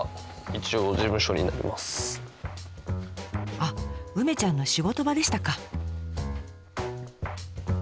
あっ梅ちゃんの仕事場でしたか。